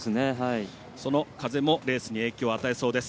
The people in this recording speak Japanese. その風もレースに影響を与えそうです。